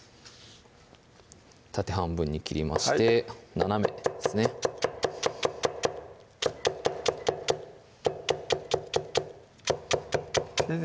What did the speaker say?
縦半分に切りまして斜めですね先生